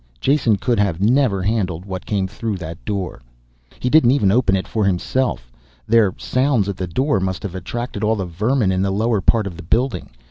Jason could never have handled what came through that door. He didn't even open it for himself. Their sounds at the door must have attracted all the vermin in the lower part of the building.